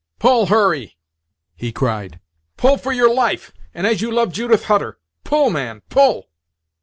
"Pull, Hurry," he cried; "pull for your life, and as you love Judith Hutter! Pull, man, pull!"